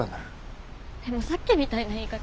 でもさっきみたいな言い方。